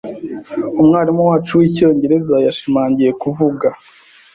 Umwarimu wacu wicyongereza yashimangiye kuvuga.